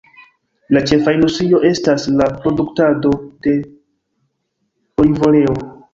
La ĉefa industrio estas la produktado de olivoleo.